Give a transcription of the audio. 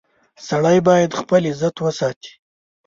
• سړی باید خپل عزت وساتي.